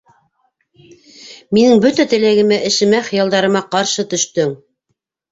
- Минең бөтә теләгемә, эшемә, хыялдарыма ҡаршы төштөң!